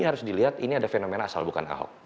ini harus dilihat ini ada fenomena asal bukan ahok